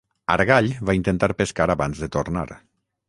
Argall va intentar pescar abans de tornar.